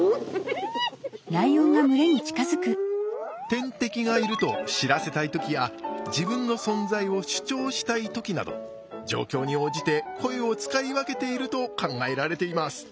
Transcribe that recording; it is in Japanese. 天敵がいると知らせたい時や自分の存在を主張したい時など状況に応じて声を使い分けていると考えられています。